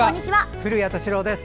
古谷敏郎です。